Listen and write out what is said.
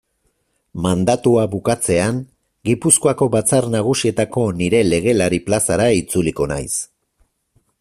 Mandatua bukatzean Gipuzkoako Batzar Nagusietako nire legelari plazara itzuliko naiz.